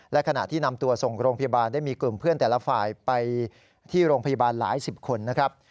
และขณะที่นำตัวส่งโรงพยาบาลได้มีกลุ่มเพื่อนแต่ละฝ่ายไปที่โรงพยาบาลหลายสิบคนนะครับ